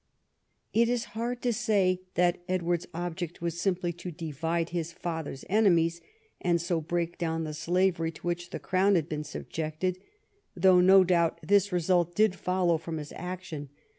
It is hard to say that Edward's object was simply to divide his father's enemies and so break down the slavery to which the Crown had been subjected, though no doubt this 30 EDWARD I OHAP. result did follow from his action.